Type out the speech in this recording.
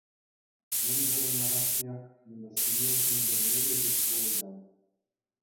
Унсӑрӑн, ахӑртнех, нимӗҫсене ҫӗнтерме те ҫук пулӗ ҫав.